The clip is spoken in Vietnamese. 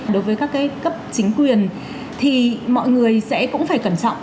đối với các cái cấp chính quyền thì mọi người sẽ cũng phải cẩn trọng